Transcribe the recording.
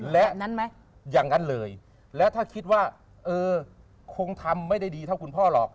และนั้นไหมอย่างนั้นเลยและถ้าคิดว่าเออคงทำไม่ได้ดีเท่าคุณพ่อหรอก